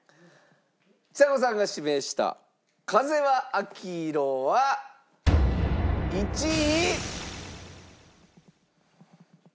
ちさ子さんが指名した『風は秋色』は１位。